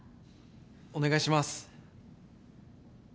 ・お願いします